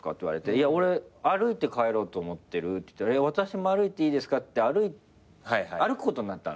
いや俺歩いて帰ろうと思ってるって言ったら「私も歩いていいですか」って歩くことになったの。